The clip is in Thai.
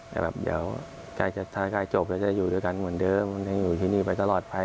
ถ้าใกล้จบก็จะได้อยู่ด้วยกันเหมือนเดิมอยู่ที่นี่ไปตลอดไป